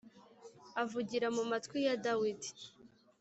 avugira mu matwi ya Dawidi